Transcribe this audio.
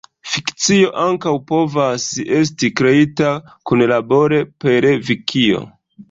Fikcio ankaŭ povas esti kreita kunlabore per vikio.